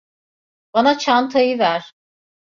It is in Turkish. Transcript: Bana çantayı ver.